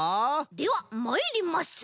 ではまいります。